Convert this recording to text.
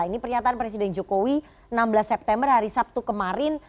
ini pernyataan presiden jokowi enam belas september hari sabtu kemarin